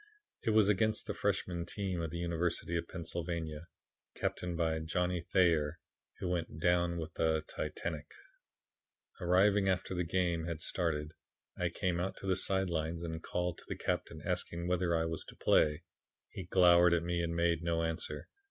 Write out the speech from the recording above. It was against the Freshmen team of the University of Pennsylvania, captained by Johnny Thayer who went down with the Titanic. "Arriving after the game had started, I came out to the side lines and called to the captain asking whether I was to play. He glowered at me and made no answer.